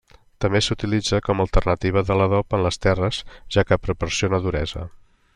També s'utilitza com a alternativa de l'adob en les terres, ja que proporciona duresa.